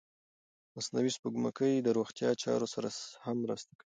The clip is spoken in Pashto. مصنوعي سپوږمکۍ د روغتیا چارو سره هم مرسته کوي.